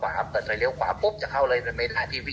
พอผมเลยปุ๊บเขาปากได้